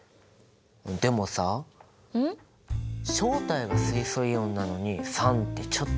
正体が水素イオンなのに酸ってちょっと分かりにくくない？